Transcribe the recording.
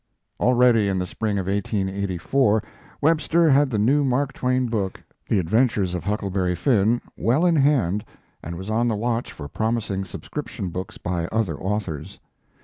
Already, in the spring of 1884., Webster had the new Mark Twain book, 'The Adventures of Huckleberry Finn', well in hand, and was on the watch for promising subscription books by other authors.